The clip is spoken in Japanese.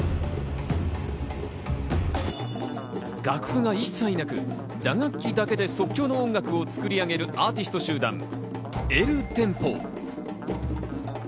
楽譜が一切なく、打楽器だけで即興の音楽を作り上げるアーティスト集団、ｅｌｔｅｍｐｏ。